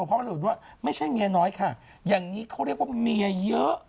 พร้อมระบุด้วยว่าไม่ใช่เมียน้อยค่ะอย่างนี้เขาเรียกว่าเมียเยอะ